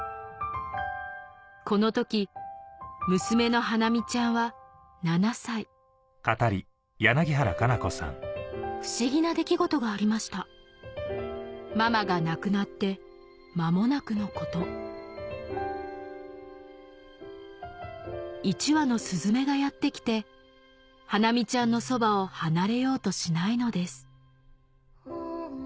この時娘の華実ちゃんは７歳不思議な出来事がありましたママが亡くなって間もなくのこと１羽のスズメがやって来て華実ちゃんのそばを離れようとしないのです